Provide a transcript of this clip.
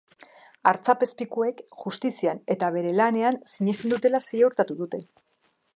Artzapezpikuek justizian eta bere lanean sinesten dutela ziurtatu dute.